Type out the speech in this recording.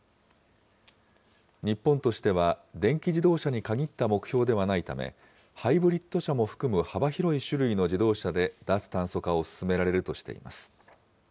日本としては、電気自動車に限った目標ではないため、ハイブリッド車も含む幅広い種類の自動車で脱炭素化を進められるとしています。